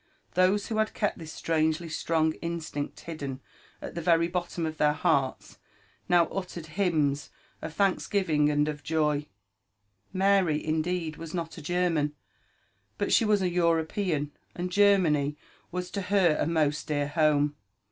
Those who had kept this strangely strong instinct hidden at the very bottom of their searls, now uttered hymns of thanksgiving and of joy. Mary, indeed, was not a German, but she was an European, and Ger many was to her a most dear home.